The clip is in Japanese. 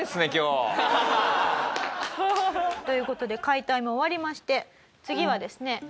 今日。という事で解体も終わりまして次はですね